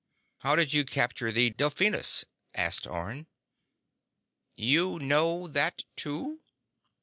"How did you capture the Delphinus?" asked Orne. "You know that, too?"